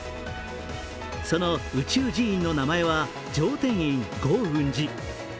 その宇宙寺院の名前は、浄天院劫蘊寺。